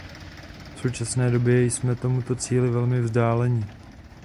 V současné době jsme tomuto cíli velmi vzdáleni.